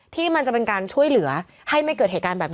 ที่มันจะเป็นการช่วยเหลือให้ไม่เกิดเหตุการณ์แบบนี้